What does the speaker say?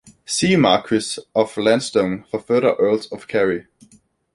"See Marquess of Lansdowne for further Earls of Kerry".